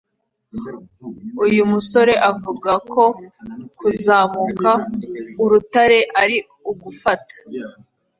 Uyu musore avuga ko kuzamuka urutare ari ugufata!